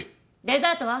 デザートは？